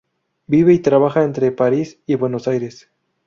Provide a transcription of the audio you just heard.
Vive y trabaja entre París y Buenos Aires.